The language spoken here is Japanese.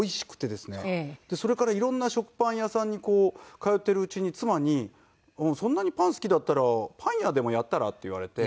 それから色んな食パン屋さんに通っているうちに妻に「そんなにパン好きだったらパン屋でもやったら？」って言われて。